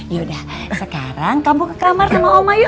yaudah sekarang kamu ke kamar sama oma yuk